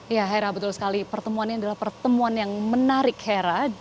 ya hera betul sekali pertemuan ini adalah pertemuan yang menarik hera